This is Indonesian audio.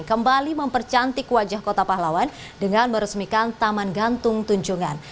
kembali mempercantik wajah kota pahlawan dengan meresmikan taman gantung tunjungan